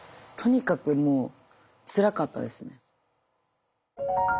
とにかくもうつらかったですね。